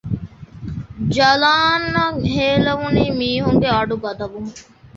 ޖަލާން އަށް ހޭލެވުނީ މީހުންގެ އަޑު ގަދަވުމުން